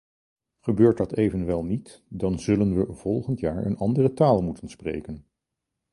Gebeurt dat evenwel niet, dan zullen we volgend jaar een andere taal moeten spreken.